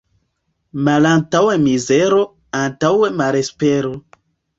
Malantaŭe mizero, antaŭe malespero.